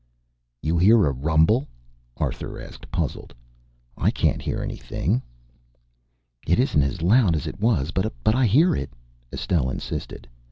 "You hear a rumble?" Arthur asked, puzzled. "I can't hear anything." "It isn't as loud as it was, but I hear it," Estelle insisted.